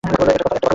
একটা কথা বলি?